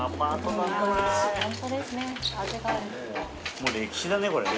もう歴史だねこれね。